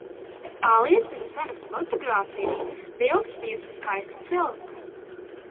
Kā liecina senas fotogrāfijas, pils bijusi skaista celtne.